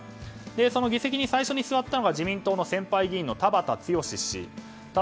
その議席に最初に座ったのが自民党の先輩議員の田畑毅氏でした。